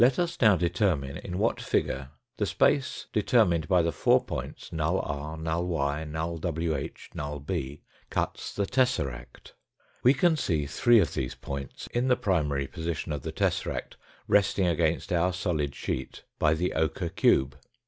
Let us now determine in what figure the space, determined by the four points, null r, null y, null wh, null b, cuts the tesseract. We can see three of these points in the primary position of the tesseract resting against our solid sheet by the ochre cube.